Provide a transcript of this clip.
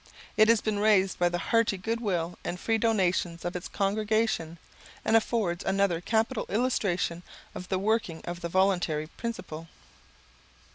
It has been raised by the hearty goodwill and free donations of its congregation, and affords another capital illustration of the working of the voluntary principle.